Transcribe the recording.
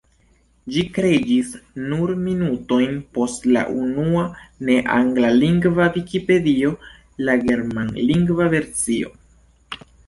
Ĝi kreiĝis nur minutojn post la unua ne-anglalingva vikipedio, la germanlingva versio.